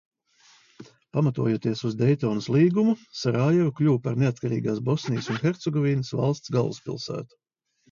Pamatojoties uz Deitonas līgumu, Sarajeva kļuva par neatkarīgās Bosnijas un Hercegovinas valsts galvaspilsētu.